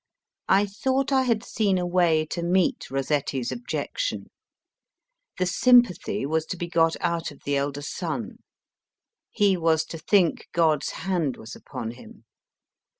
I thought I had seen a way to meet Rossetti s objection. The sympathy was to be got out of the elder son. He was to think God s hand was upon him.